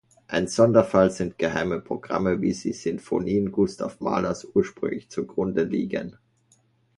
Ein Sonderfall sind geheime Programme, wie sie Sinfonien Gustav Mahlers ursprünglich zugrunde liegen.